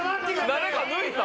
誰か抜いた？